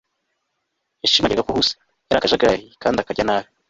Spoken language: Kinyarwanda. Yashimangira ko Huse yari akajagari kandi akarya nabi